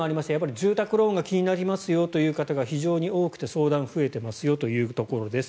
住宅ローンが気になりますよという方が非常に多くて相談が増えていますよというところです。